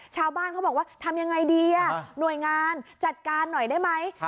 ชาวบ้านเขาบอกว่าทำยังไงดีหน่วยงานจัดการหน่อยได้ไหม